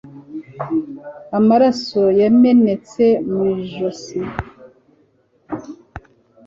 Amaraso yamenetse mu ijosi